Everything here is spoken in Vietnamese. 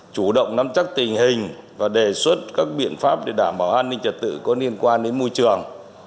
chủ động nắm chắc tình hình và đề xuất các biện pháp để đảm bảo an ninh trật tự có liên quan đến môi trường